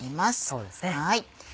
そうですね。